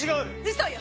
嘘よ！